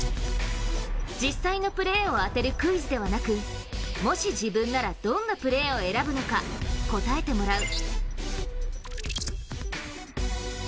実際のプレーを当てるクイズではなくもし自分ならどんなプレーを選ぶのか答えてもらう。